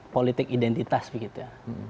politik identitas begitu ya